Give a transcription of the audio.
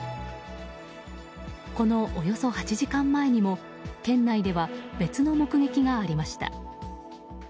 このおよそ８時間前にも県内では別の目撃がありました。